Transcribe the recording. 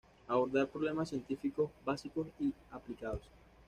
Abordar problemas científicos básicos y aplicados.